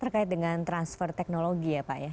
terkait dengan transfer teknologi ya pak ya